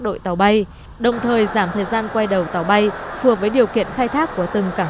đội tàu bay đồng thời giảm thời gian quay đầu tàu bay phù hợp với điều kiện khai thác của từng cảng